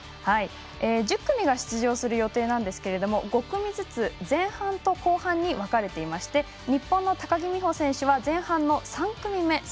１０組が出場する予定なんですけれども５組ずつ前半と後半に分かれていまして日本の高木美帆選手は前半の３組目。